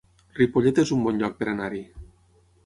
Ripollet es un bon lloc per anar-hi